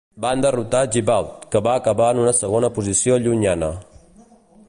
Van derrotar Gibeault, que va acabar en una segona posició llunyana.